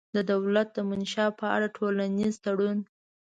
د دولت د منشا په اړه ټولنیز تړون